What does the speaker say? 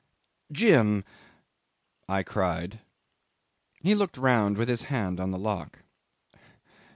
"Jim!" I cried. He looked round with his hand on the lock.